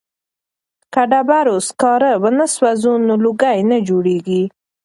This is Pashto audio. که ډبرو سکاره ونه سوځوو نو لوګی نه جوړیږي.